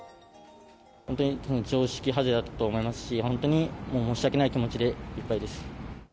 本当に常識外れだったと思いますし、本当に申し訳ない気持ちでいっぱいです。